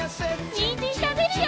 にんじんたべるよ！